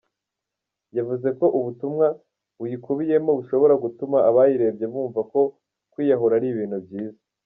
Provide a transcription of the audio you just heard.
Yavuze ko ubutumwa buyikubiyemo bushobora gutuma abayirebye bumva ko kwiyahura ari ibintu byiza.